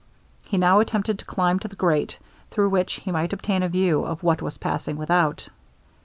He now attempted to climb to the grate, through which he might obtain a view of what was passing without.